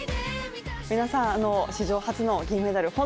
皆さん、史上初の銀メダル